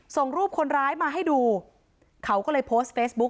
ส่งรูปคนร้ายมาให้ดูเขาก็เลยโพสต์เฟซบุ๊ค